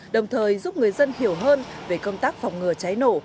đồng thời giúp người dân hiểu hơn về công tác phòng ngừa cháy nổ